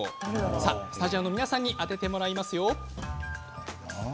さあ、スタジオの皆さんに当ててもらいますよ！